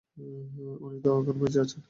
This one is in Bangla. উনি তো এখনো বেচেঁও আছেন।